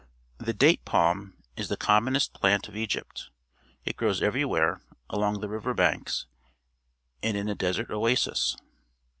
The date palm is the commonest plant of Egypt; it grows everywhere along the river banks and in the desert oases.